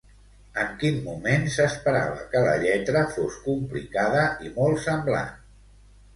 En quin moment s'esperava que la lletra fos complicada i molt semblant?